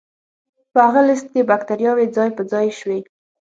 په هغه لست کې بکتریاوې ځای په ځای شوې.